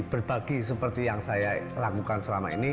berbagi seperti yang saya lakukan selama ini